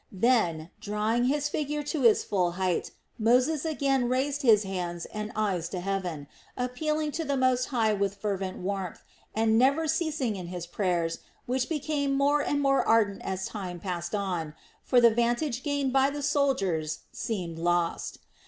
Then, drawing his figure to its full height, Moses again raised his hands and eyes to Heaven, appealing to the Most High with fervent warmth, and never ceasing in his prayers, which became more and more ardent as time passed on, for the vantage gained by the soldiers seemed lost.